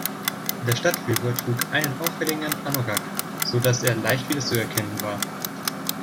Der Stadtführer trug einen auffälligen Anorak, sodass er leicht wiederzuerkennen war.